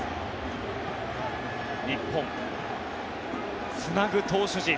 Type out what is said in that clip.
日本、つなぐ投手陣。